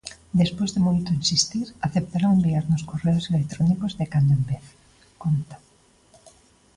"Despois de moito insistir, aceptaron enviarnos correos electrónicos de cando en vez", conta.